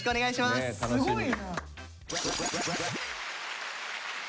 すごいな！